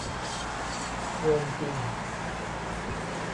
เวรจริง